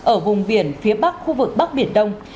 ở vùng biển phía bắc khu vực bắc biển đông